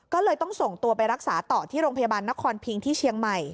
ก็เลยต้องส่งตัวไปรักษาต่อที่โรงพยาบาลนครพิงที่เชียงใหม่